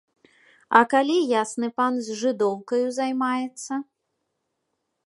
А калі ясны пан з жыдоўкаю займаецца?